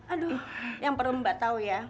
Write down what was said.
aduh yang perlu mbak tahu ya